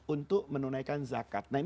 untuk menunaikan zakat